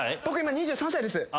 僕今２３歳です。